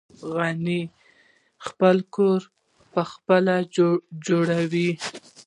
غڼې خپل کور پخپله جوړوي